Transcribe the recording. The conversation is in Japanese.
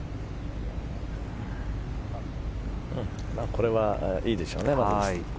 これはいいでしょうね。